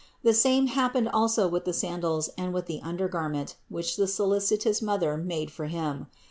The same happened also with the sandals and with the undergarment, which the solicitous Mother made for Him.